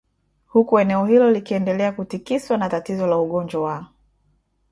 huku eneo hilo likiendelea kutikiswa na tatizo la ugonjwa wa